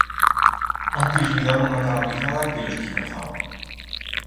Antis li daba una talapizada que lo esquinazaba.